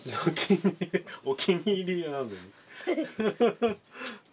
お気に入りなのに。